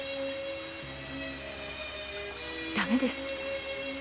駄目です